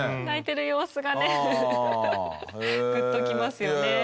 泣いてる様子がねグッときますよね。